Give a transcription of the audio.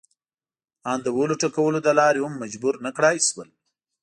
ان د وهلو ټکولو له لارې هم مجبور نه کړای شول.